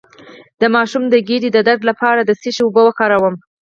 د ماشوم د ګیډې درد لپاره د څه شي اوبه وکاروم؟